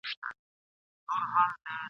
لحدونو ته لېږلي یې زلمیان وي ..